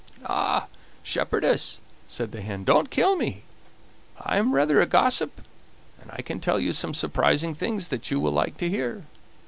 "Ah! shepherdess," said the hen, "don't kill me; I am rather a gossip, and I can tell you some surprising things that you will like to hear.